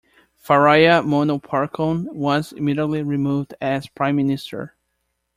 Phraya Manopakorn was immediately removed as Prime Minister.